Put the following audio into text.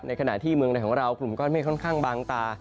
ขณะที่เมืองในของเรากลุ่มก้อนเมฆค่อนข้างบางตา